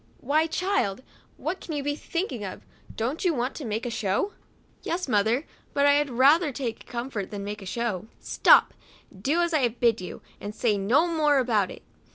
" Why, child," what can you be thinking of? don't you want to make a show?" "Yes, mother, but I had ra ther take comfort than make a show ?"" Stop, do as I have bid you, and say no more about it."